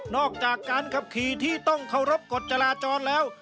อกจากการขับขี่ที่ต้องเคารพกฎจราจรแล้ว